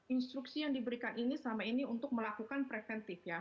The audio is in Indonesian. instruksi yang diberikan ini selama ini untuk melakukan preventif ya